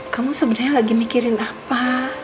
kamu sebenarnya lagi mikirin apa